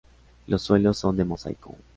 Los suelos son de mosaico.